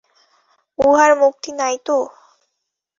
উহার মুক্তি নাই তো?